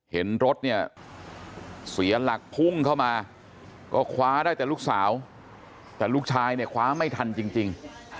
เห็นรถเนี่ยเสียหลักพุ่งเข้ามาก็คว้าได้แต่ลูกสาวแต่ลูกชายเนี่ยคว้าไม่ทันจริง